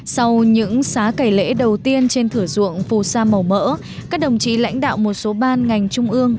sau những xá cải lễ đầu tiên trên thửa ruộng phù sa màu mỡ các đồng chí lãnh đạo một số ban ngành trung ương